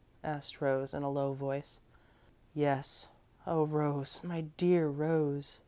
asked Rose, in a low voice. "Yes. Oh, Rose, my dear Rose!"